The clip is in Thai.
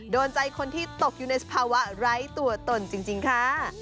โดนใจคนที่ตกอยู่ในสภาวะไร้ตัวตนจริงค่ะ